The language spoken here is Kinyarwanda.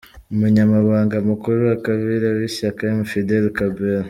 Umunyamabanga mukuru wa kabiri w’Ishyaka : M. Fidèle Kabera